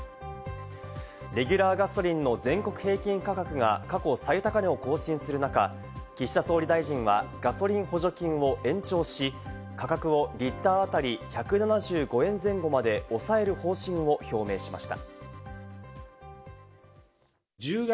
レギュラーガソリンの全国平均価格が過去最高値を更新する中、岸田総理大臣はガソリン補助金を延長し、価格をリッターあたり１７５円前後まで抑える方針を表明しました。